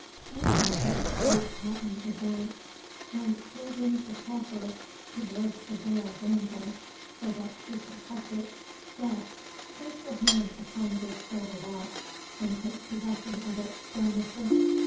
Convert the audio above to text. As he spoke Luke Hatton advanced, and, holding the coffer towards the veiled damsel, so that she could touch it, said "Place your hand upon this silver box, and take possession of it, fair mistress.